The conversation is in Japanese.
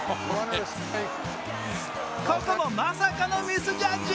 ここも、まさかのミスジャッジ。